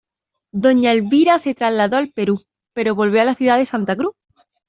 Doña Elvira se trasladó al Perú, pero volvió a la ciudad de Santa Cruz.